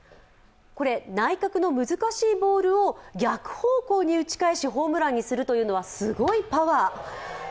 これ、内角の難しいボールを逆方向に打ち返しホームランにするというのは、すごいパワー。